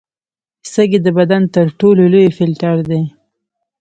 سږي د بدن تر ټولو لوی فلټر دي.